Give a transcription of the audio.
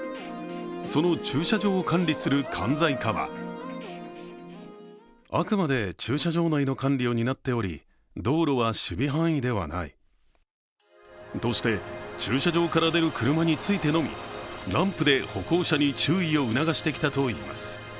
その駐車場を管理する管財課はとして、駐車場から出る車についてのみランプで歩行者に注意を促してきたといいます。